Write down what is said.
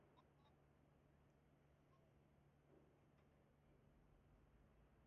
Lakini Waziri wa Jinsia Williametta E